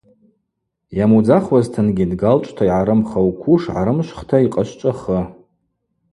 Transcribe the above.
Йамудзахуазтынгьи, дгалчӏвта йгӏарымх ауквуш гӏарымшвхта йкъашвчӏвахы.